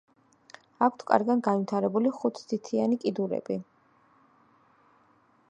აქვთ კარგად განვითარებული ხუთთითიანი კიდურები.